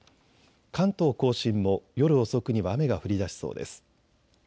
関東甲信も夜遅くには雨が降りだしそうです。